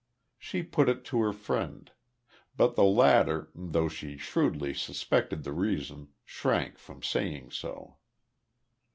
She put it to her friend. But the latter, though she shrewdly suspected the reason, shrank from saying so.